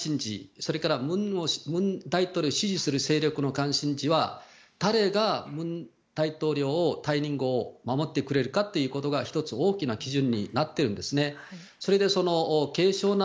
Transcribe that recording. それから文大統領を支持する勢力の関心事は誰が文大統領を退任後守ってくれるかということが１つ大きな基準になってるんです。